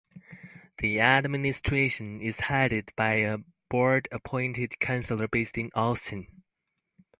The administration is headed by a Board-appointed chancellor based in Austin.